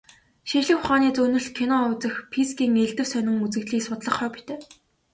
Шинжлэх ухааны зөгнөлт кино үзэх, физикийн элдэв сонин үзэгдлийг судлах хоббитой.